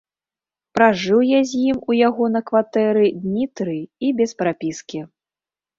Пражыў я з ім, у яго на кватэры, дні тры, і без прапіскі.